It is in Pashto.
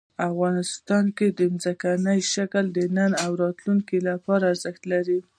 افغانستان کې ځمکنی شکل د نن او راتلونکي لپاره ارزښت لري.